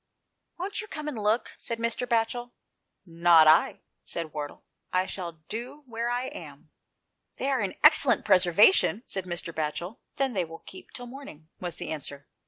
"Won't you come and look?" said Mr. Batchel. "Not I," said Wardle, "I shall do where I am." " They are in excellent preservation," said Mr. Batchel. " Then they will keep till morning," was the answer.